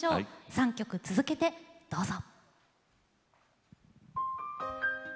３曲続けてどうぞ。